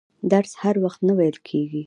درس هر وخت نه ویل کیږي.